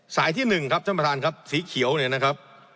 ที่๑ครับท่านประธานครับสีเขียวเนี่ยนะครับ